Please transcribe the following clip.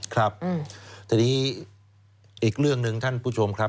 ครับทีนี้อีกเรื่องหนึ่งท่านผู้ชมครับ